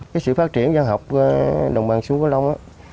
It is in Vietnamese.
cái sự phát triển văn học đồng bằng sông cửu long